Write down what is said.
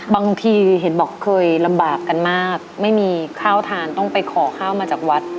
บางทีเห็นบอกเคยลำบากกันมากไม่มีข้าวทานต้องไปขอข้าวมาจากวัด